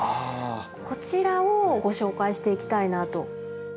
こちらをご紹介していきたいなと。